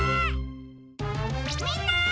みんな！